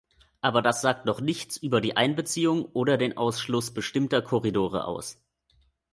Aber das sagt noch nichts über die Einbeziehung oder den Ausschluss bestimmter Korridore aus.